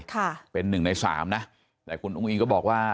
ค่ะเป็นหนึ่งในสามนะแต่คุณอุ้งอิงก็บอกว่า